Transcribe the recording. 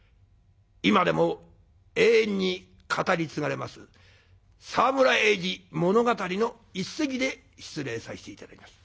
今でも永遠に語り継がれます「沢村栄治物語」の一席で失礼させていただきます。